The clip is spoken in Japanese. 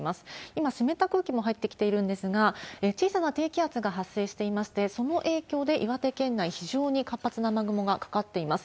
今、湿った空気も入ってきているんですが、小さな低気圧が発生していまして、その影響で、岩手県内、非常に活発な雨雲がかかっています。